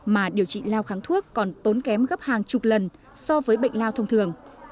mà điều trị lao kháng thuốc còn tốn kém gấp hàng chục lần so với bệnh lao thông thường